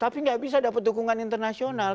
tapi nggak bisa dapat dukungan internasional